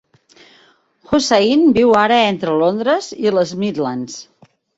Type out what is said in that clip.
Hossain viu ara entre Londres i les Midlands.